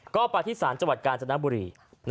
ก็ไปที่ศาลจังหวัดกาญจนบุรี